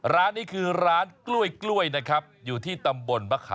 ร้านนี้คือร้านกล้วยครับ